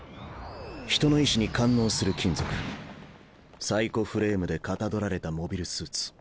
人の意思に感応する金属サイコフレームでかたどられたモビルスーツ。